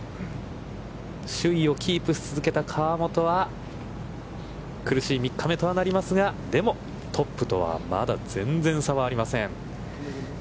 首位をキープし続けた河本は苦しい３日目とはなりますが、でも、トップとはまだ全然差はありません。